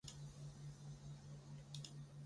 此后他进入哲蚌寺洛色林扎仓学习佛法。